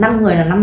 năm người là năm tỷ